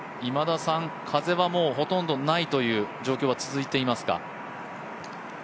風はもうほとんどないという状況は続いていますか。